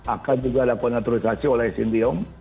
akan juga ada konaturisasi oleh sintayong